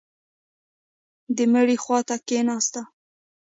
د مړي خوا ته کښېناسته.